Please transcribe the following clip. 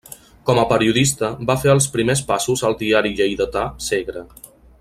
Com a periodista va fer els primers passos al diari lleidatà Segre.